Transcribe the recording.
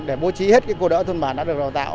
để bố trí hết cô đỡ thôn bản đã được đào tạo